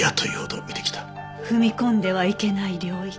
踏み込んではいけない領域。